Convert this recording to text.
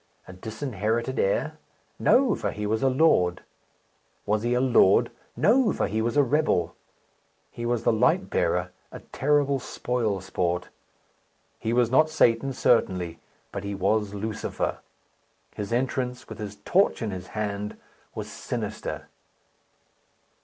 A disinherited heir? No; for he was a lord. Was he a lord? No; for he was a rebel. He was the light bearer; a terrible spoil sport. He was not Satan, certainly; but he was Lucifer. His entrance, with his torch in his hand, was sinister.